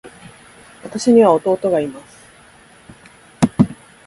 私には弟がいます。